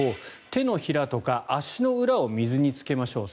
手のひらとか足の裏を水につけましょう。